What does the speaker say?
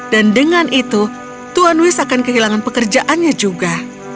dan dengan itu tuan wish akan kehilangan pekerjaannya juga